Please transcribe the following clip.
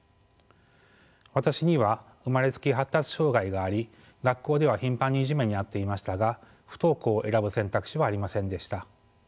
私には生まれつき発達障害があり学校では頻繁にいじめに遭っていましたが不登校を選ぶ選択肢はありませんでした。